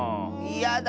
やだ！